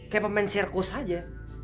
kayak pemain serkos aja